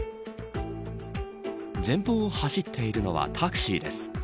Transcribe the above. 前方を走っているのはタクシーです。